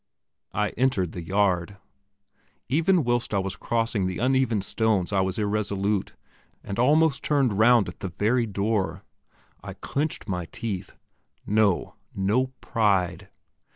I entered the yard. Even whilst I was crossing the uneven stones I was irresolute, and almost turned round at the very door. I clenched my teeth. No! no pride!